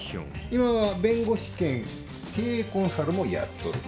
今は弁護士兼経営コンサルもやっとる。